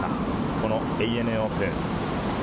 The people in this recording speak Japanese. このＡＮＡオープン。